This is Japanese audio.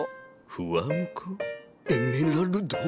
フワモコエメラルド。